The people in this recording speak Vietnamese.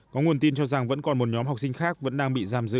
có nguồn tin cho rằng vẫn còn một nhóm học sinh khác vẫn đang bị giam giữ